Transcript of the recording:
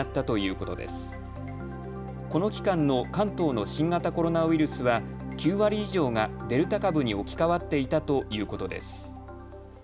この期間の関東の新型コロナウイルスは９割以上がデルタ株に置き換わっていたということです。